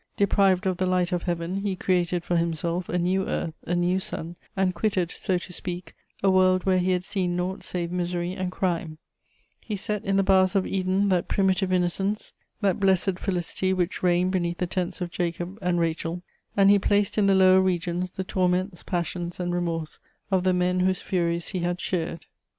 Deprived of the light of heaven, he created for himself a new earth, a new sun, and quitted, so to speak, a world where he had seen nought save misery and crime; he set in the bowers of Eden that primitive innocence, that blessed felicity which reigned beneath the tents of Jacob and Rachel; and he placed in the lower regions the torments, passions and remorse of the men whose furies he had shared.